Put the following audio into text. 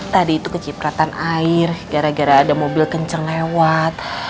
tadi itu kecipratan air gara gara ada mobil kenceng lewat